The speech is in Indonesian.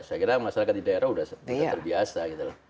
saya kira masyarakat di daerah udah terbiasa gitu